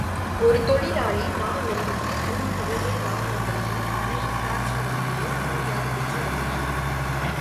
ஒரு தொழிலாளி நாள் ஒன்றுக்கு மூன்று ஒபல் நாணயங்களையோ அரை டிரச்சிமாவையோ கூலியாகப் பெற்று வந்தான்.